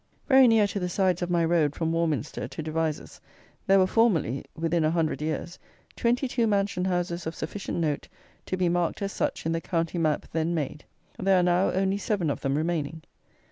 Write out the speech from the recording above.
Very near to the sides of my road from Warminster to Devizes there were formerly (within a hundred years) 22 mansion houses of sufficient note to be marked as such in the county map then made. There are now only seven of them remaining.